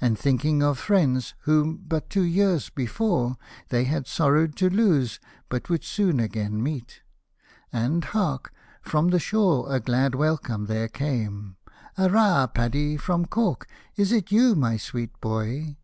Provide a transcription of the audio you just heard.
And thinking of friends whom, but two years before, They had sorrowed to lose, but would soon again meet. And, hark I from the shore a glad welcome there came —" Arrah, Paddy from Cork, is it you, my sweet boy